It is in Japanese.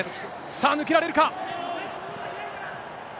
さあ、抜けられるか。